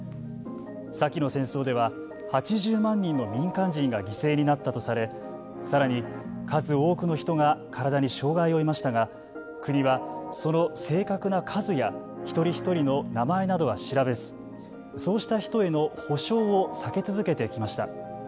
先の戦争では８０万人の民間人が犠牲になったとされさらに数多くの人が体に障害を負いましたが国はその正確な数や一人一人の名前などは調べずそうした人への補償を避け続けてきました。